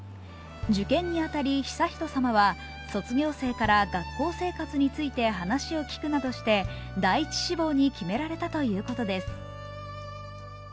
受験に当たり悠仁さまは、卒業生から学校生活について話を聞くなどして、第１志望に決められたということです。